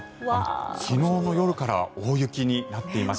昨日の夜から大雪になっています。